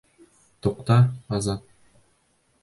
Туҡта, Азат.